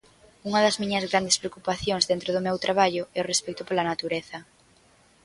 Unha das miñas grandes preocupacións dentro do meu traballo é o respecto pola natureza.